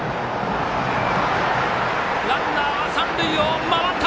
ランナーは三塁を回った。